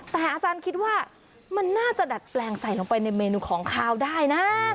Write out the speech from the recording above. แต่อาจารย์คิดว่ามันน่าจะดัดแปลงใส่ลงไปในเมนูของขาวได้นะ